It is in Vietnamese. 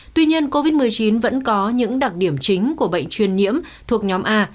tuy nhiên covid một mươi chín vẫn có những đặc điểm chính của bệnh truyền nhiễm thuộc nhóm a